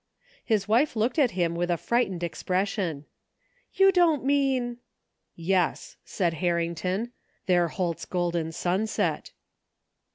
His wife looked at him with a frightened expression. "You don't mean ?"" Yes," said Harrington. " They're Holt's Golden Sunset